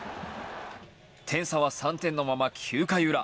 点差は３点のまま９回裏。